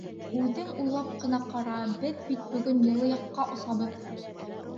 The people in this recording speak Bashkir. Үҙең уйлап ҡына ҡара, беҙ бит бөгөн йылы яҡҡа осабыҙ!